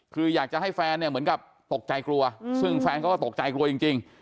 คืออยากจะให้แฟนเนี่ยเหมือนกับตกใจกลัวซึ่งแฟนเขาก็ตกใจกลัวจริง